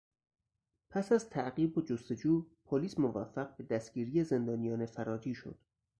پس از تعقیب و جستجو، پلیس موفق به دستگیری زندانیان فراری شد.